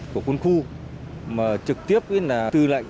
của quân khu mà trực tiếp tư lệnh